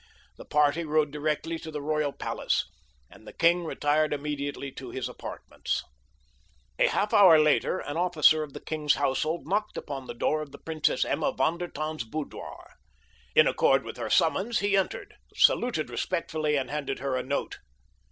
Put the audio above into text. The party rode directly to the royal palace, and the king retired immediately to his apartments. A half hour later an officer of the king's household knocked upon the door of the Princess Emma von der Tann's boudoir. In accord with her summons he entered, saluted respectfully, and handed her a note.